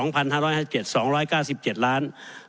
๒๕๕๗๒๙๗ล้าน